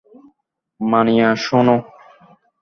মানিয়া, শোনো!